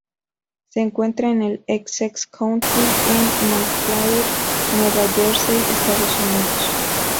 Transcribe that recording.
Se encuentra en el Essex County, en Montclair, Nueva Jersey, Estados Unidos.